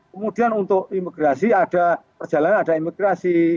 kemudian untuk imigrasi ada perjalanan ada imigrasi